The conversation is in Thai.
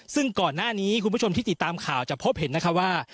ซึ่งก่อนหน้านี้คุณผู้ชมที่ติดตามข่าวจะพบเห็นนะคะว่า